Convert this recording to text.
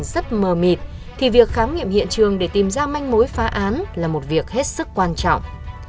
rất mờ mịt thì việc khám nghiệm hiện trường để tìm ra manh mối phá án là một việc hết sức quan trọng